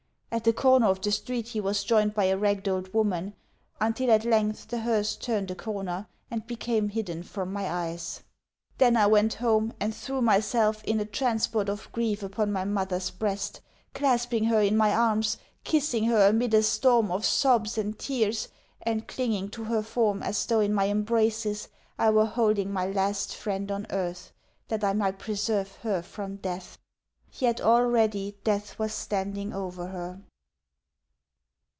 At the corner of the street he was joined by a ragged old woman; until at length the hearse turned a corner, and became hidden from my eyes. Then I went home, and threw myself, in a transport of grief, upon my mother's breast clasping her in my arms, kissing her amid a storm of sobs and tears, and clinging to her form as though in my embraces I were holding my last friend on earth, that I might preserve her from death. Yet already death was standing over her....